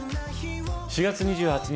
４月２８日